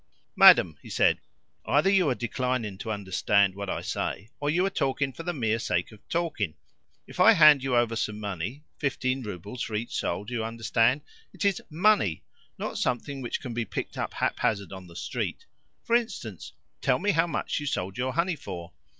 "Madam," he said, "either you are declining to understand what I say or you are talking for the mere sake of talking. If I hand you over some money fifteen roubles for each soul, do you understand? it is MONEY, not something which can be picked up haphazard on the street. For instance, tell me how much you sold your honey for?"